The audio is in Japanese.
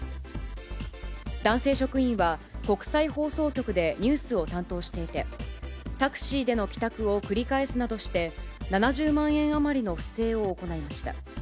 男性職員は、国際放送局でニュースを担当していて、タクシーでの帰宅を繰り返すなどして、７０万円余りの不正を行いました。